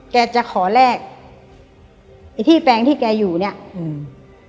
แกจะขอแลกไอ้ที่แปลงที่แกอยู่เนี้ยอืม